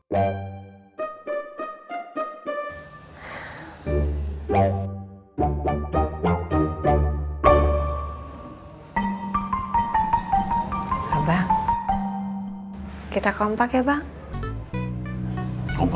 bersama sama makhlana apa